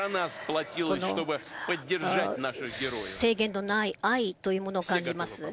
この制限のない愛というものを感じます。